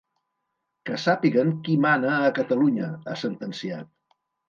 Que sàpiguen qui mana a Catalunya, ha sentenciat.